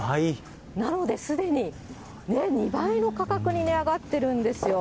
なのですでに２倍の価格に値上がってるんですよ。